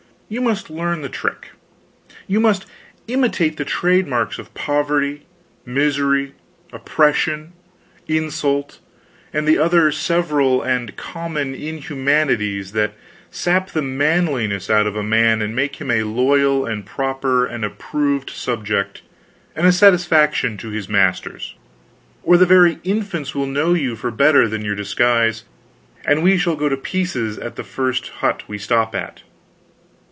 You must learn the trick; you must imitate the trademarks of poverty, misery, oppression, insult, and the other several and common inhumanities that sap the manliness out of a man and make him a loyal and proper and approved subject and a satisfaction to his masters, or the very infants will know you for better than your disguise, and we shall go to pieces at the first hut we stop at.